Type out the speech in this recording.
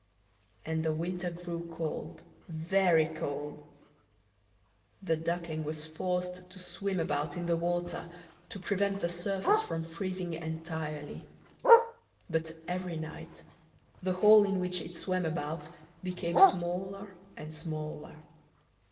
And the winter grew cold, very cold! The Duckling was forced to swim about in the water, to prevent the surface from freezing entirely; but every night the hole in which it swam about became smaller and smaller.